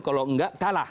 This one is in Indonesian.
kalau enggak kalah